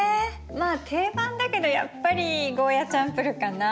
まあ定番だけどやっぱりゴーヤチャンプルーかな。